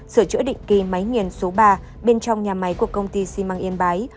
sửa chữa định kỳ máy nghiền số ba bên trong nhà máy của công ty xi măng yên bái